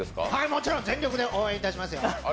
もちろん、全力で応援いたしますよ。